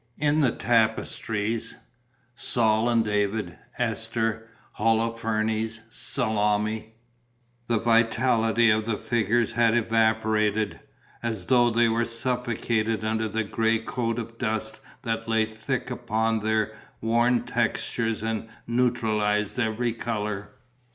In the tapestries Saul and David, Esther, Holofernes, Salome the vitality of the figures had evaporated, as though they were suffocated under the grey coat of dust that lay thick upon their worn textures and neutralized every colour.